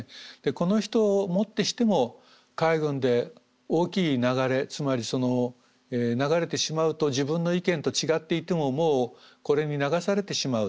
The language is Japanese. この人をもってしても海軍で大きい流れつまり流れてしまうと自分の意見と違っていてももうこれに流されてしまう。